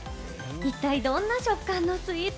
一体、どんな食感のスイーツ？